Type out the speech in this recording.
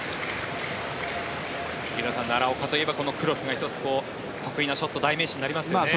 池田さん、奈良岡といえばクロスが非常に１つ、得意なショット代名詞になりますよね。